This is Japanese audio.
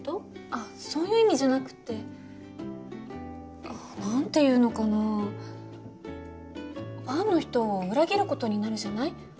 あっそういう意味じゃなくって何て言うのかなファンの人を裏切ることになるじゃない？